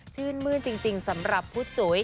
ชื่นมื้นจริงสำหรับพุทธจุ๋ย